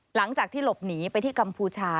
หลังจากที่หลบหนีไปที่กัมพูชา